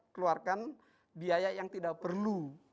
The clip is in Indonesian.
keluarkan biaya yang tidak perlu